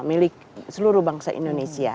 milik seluruh bangsa indonesia